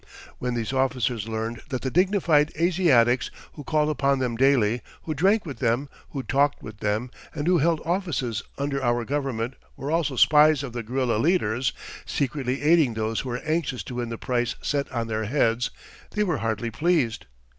When these officers learned that the dignified Asiatics who called upon them daily, who drank with them, who talked with them, and who held offices under our government, were also spies of the guerilla leaders, secretly aiding those who were anxious to win the price set on their heads, they were hardly pleased.